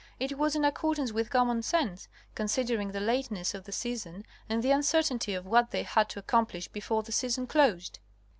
It was in accordance with common sense, considering the lateness of the season and the uncertainty of what they had to accom plish before the season closed.